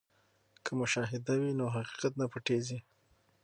که مشاهده وي نو حقیقت نه پټیږي.